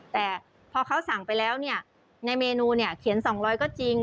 แต่พอเขาสั่งไปแล้วเนี่ยในเมนูเนี่ยเขียน๒๐๐ก็จริง